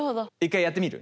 １回やってみる？